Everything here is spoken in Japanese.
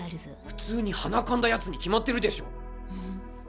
普通にはなかんだやつに決まってるでしょ。